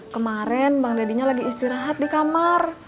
kemarin bang deddy nya lagi istirahat di kamar